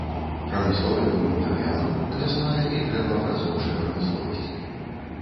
Прамысловасць будматэрыялаў, лясная і дрэваапрацоўчая прамысловасць.